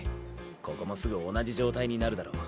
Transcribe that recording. ここもすぐ同じ状態になるだろう。